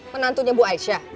penantunya bu aisyah